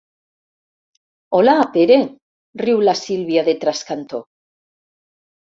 Hola, Pere —riu la Sílvia de trascantó—.